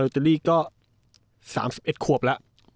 ที่ก็๓๑ขวบละ